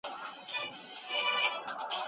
د عايد د وېش څرنګوالى بايد په عادلانه توګه ترسره سي.